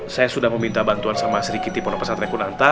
saya sudah meminta bantuan sama sri kitty ponopasat rekun anta